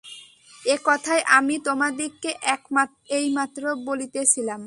এ-কথাই আমি তোমাদিগকে এইমাত্র বলিতেছিলাম।